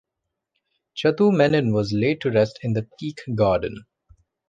Chathu Menon was laid to rest in the teak garden.